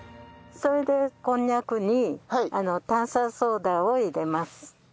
それでこんにゃくに炭酸ソーダを入れます。